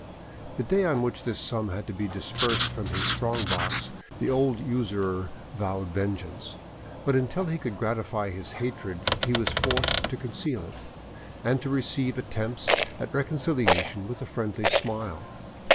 The day on which this sum had to be disbursed from his strong box the old usurer vowed vengeance, but until he could gratify his hatred he was forced to conceal it, and to receive attempts at reconciliation with a friendly smile.